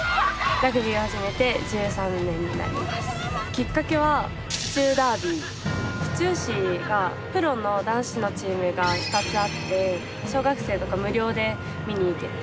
きっかけは府中市がプロの男子のチームが２つあって小学生とか無料で見に行けて。